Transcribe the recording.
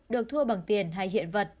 được thua bằng tiền hay hiện vật